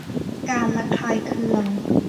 การระคายเคือง